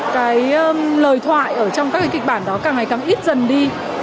cái lời thoại ở trong các cái kịch bản đó càng ngày càng ít dần đi